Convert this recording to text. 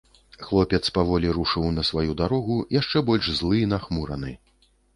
Хлопец паволі рушыў на сваю дарогу, яшчэ больш злы і нахмураны.